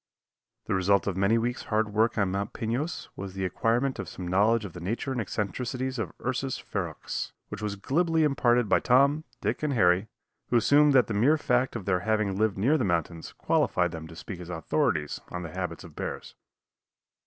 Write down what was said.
The result of many weeks' hard work on Mount Pinos was the acquirement of some knowledge of the nature and eccentricities of Ursus ferox, which was glibly imparted by Tom, Dick and Harry, who assumed that the mere fact of their having lived near the mountains qualified them to speak as authorities on the habits of bears.